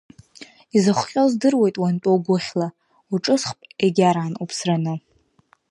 Изыхҟьо здыруеит уантәоу гәыхьла, уҿысхп егьараан уԥсраны.